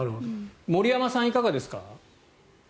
森山さん、いかがですか？